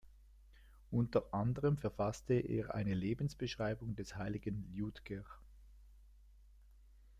Unter anderem verfasste er eine Lebensbeschreibung des Heiligen Liudger.